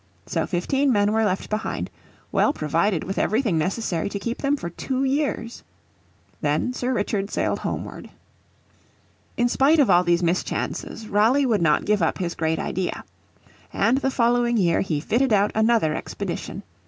So fifteen men were left behind, well provided with everything necessary to keep them for two years. Then Sir Richard sailed homeward. In spite of all these mischances Raleigh would not give up his great idea. And the following year he fitted out another expedition.